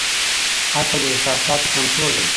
عقل د احساساتو کنټرول دی.